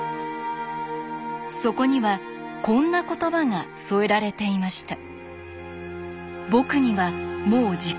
そこにはこんな言葉が添えられていました。